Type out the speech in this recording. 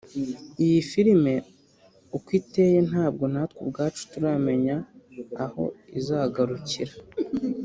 Iyi film uko iteye ntabwo natwe ubwacu turamenya aho izagarukira